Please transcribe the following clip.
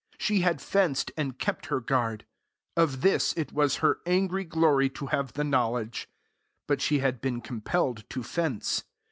She had fenced and kept her guard. Of this it was her angry glory to have the knowledge. But she had been compelled to fence.